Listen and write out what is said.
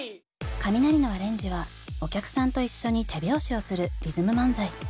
カミナリのアレンジはお客さんと一緒に手拍子をするリズム漫才。